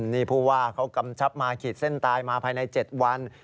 นี่ผู้ว่าเขากำชับมาขีดเส้นตายมาภายใน๗วัน